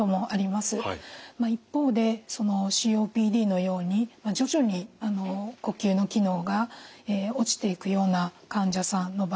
一方でＣＯＰＤのように徐々に呼吸の機能が落ちていくような患者さんの場合にはですね